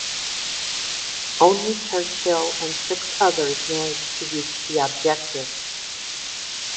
Only Churchill and six others managed to reach the objective.